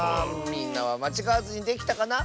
みんなはまちがわずにできたかな？